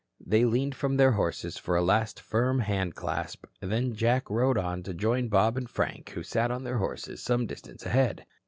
They leaned from their horses for a last firm handclasp, then Jack rode on to join Bob and Frank who sat on their horses some distance ahead.